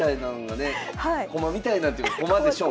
駒みたいなというか駒でしょう。